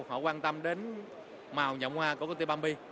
họ quan tâm đến màu nhậm hoa của công ty bambi